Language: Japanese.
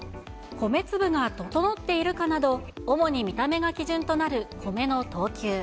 米粒が整っているかなど、主に見た目が基準となる米の等級。